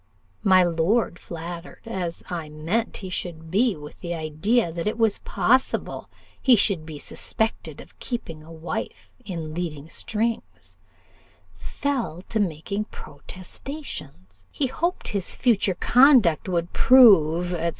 My lord, flattered as I meant he should be with the idea that it was possible he should be suspected of keeping a wife in leading strings, fell to making protestations 'He hoped his future conduct would prove,' &c.